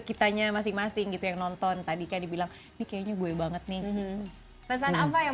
kitanya masing masing gitu yang nonton tadikan dibilang sitten jago banget niru pesan apa yang